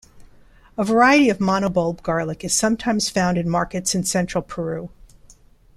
A variety of monobulb garlic is sometimes found in markets in central Peru.